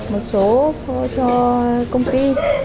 một số cho công ty